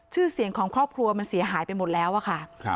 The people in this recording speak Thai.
ชื่อเสียงของครอบครัวมันเสียหายไปหมดแล้วอะค่ะ